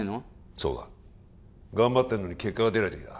そうだ頑張ってるのに結果が出ない時だ